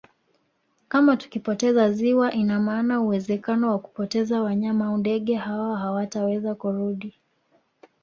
Kama tukipoteza ziwa ina maana uwezekano wa kupoteza wanyama au ndege hawa hawataweza kurudi